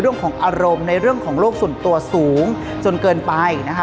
เรื่องของอารมณ์ในเรื่องของโลกส่วนตัวสูงจนเกินไปนะคะ